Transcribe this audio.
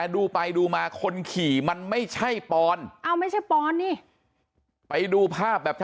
ดูไปดูมาคนขี่มันไม่ใช่ปอนเอ้าไม่ใช่ปอนนี่ไปดูภาพแบบ